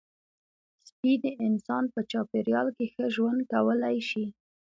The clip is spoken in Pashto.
سپي د انسان په چاپېریال کې ښه ژوند کولی شي.